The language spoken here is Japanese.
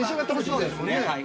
◆そうですね、はい。